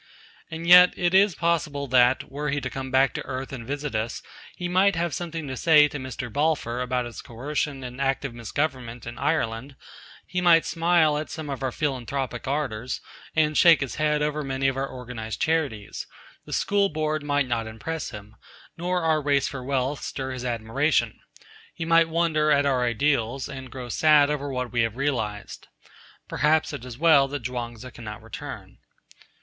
And yet it is possible that, were he to come back to earth and visit us, he might have something to say to Mr. Balfour about his coercion and active misgovernment in Ireland; he might smile at some of our philanthropic ardours, and shake his head over many of our organised charities; the School Board might not impress him, nor our race for wealth stir his admiration; he might wonder at our ideals, and grow sad over what we have realised. Perhaps it is well that Chuang Tzu cannot return.